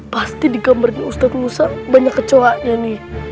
pasti di kamarnya ustadz musa banyak kecohannya nih